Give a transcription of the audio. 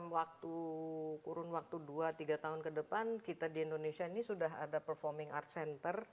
dalam waktu kurun waktu dua tiga tahun ke depan kita di indonesia ini sudah ada performing art center